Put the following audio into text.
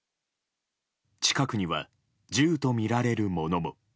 近くには銃とみられるものも。